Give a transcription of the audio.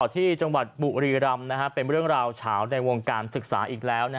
ที่จังหวัดบุรีรำเป็นเรื่องราวเฉาในวงการศึกษาอีกแล้ว